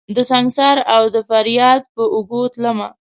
دسنګسار اودفریاد په اوږو تلمه